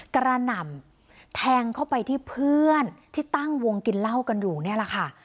กระหน่ำแทงเข้าไปที่เพื่อนที่ตั้งวงกินเหล้ากันอยู่นี่แหละค่ะ